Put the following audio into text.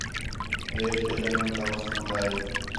ریل تے لنگھݨ تا وخت ہون٘دا ہِے